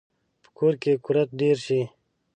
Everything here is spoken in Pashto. په کور کې کورت ډیر شي